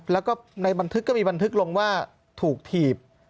แล้วก็ในบันทึกก็มีบันทึกลงว่าถูกถีบ